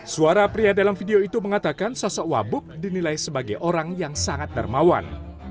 suara pria dalam video itu mengatakan sosok wabuk dinilai sebagai orang yang sangat darmawan